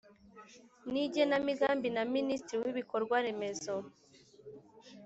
N igenamigambi na minisitiri w ibikorwa remezo